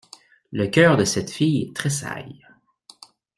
Le cœur de cette fille tressaille.